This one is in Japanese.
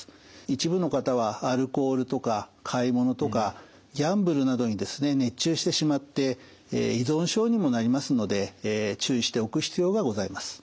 一部の方はアルコールとか買い物とかギャンブルなどに熱中してしまって依存症にもなりますので注意しておく必要がございます。